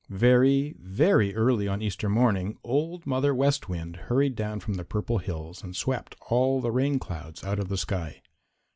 Very, very early on Easter morning Old Mother West Wind hurried down from the Purple Hills and swept all the rain clouds out of the sky.